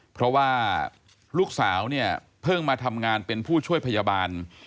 เพราะว่าลูกสาวเนี่ยเพิ่งมาทำงานเป็นผู้ช่วยพยาบาล